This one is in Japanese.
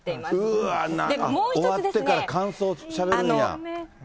終わってから感想をしゃべるんや。